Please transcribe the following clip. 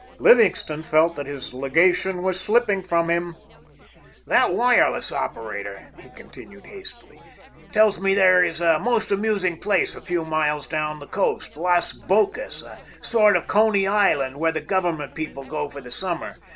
Livingstone felt that his legation was slipping from him. "That wireless operator," he continued hastily, "tells me there is a most amusing place a few miles down the coast, Las Bocas, a sort of Coney Island, where the government people go for the summer.